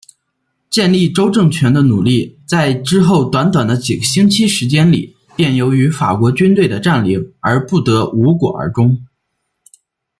建立州政权的努力在之后短短的几个星期时间里便由于法国军队的占领而不得无果而终。